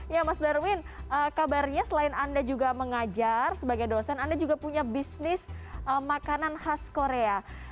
ya mas darwin kabarnya selain anda juga mengajar sebagai dosen anda juga punya bisnis makanan khas korea